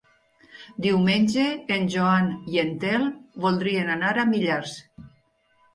Diumenge en Joan i en Telm voldrien anar a Millars.